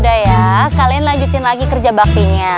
udah ya kalian lanjutin lagi kerja baktinya